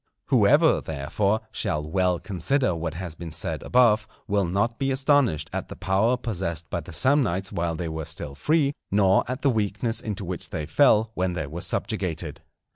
Whoever, therefore, shall well consider what has been said above, will not be astonished at the power possessed by the Samnites while they were still free, nor at the weakness into which they fell when they were subjugated.